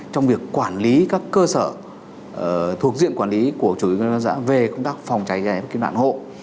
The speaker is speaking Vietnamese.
trong việc quản lý các cơ sở thuộc diện quản lý của chủ tịch ủy ban nhân dân cấp xã về công tác phòng trái trái và kiếm đoạn hộ